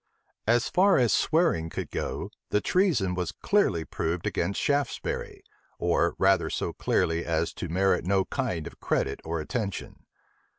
As far as swearing could go, the treason was clearly proved against Shaftesbury; or rather so clearly as to merit no kind of credit or attention.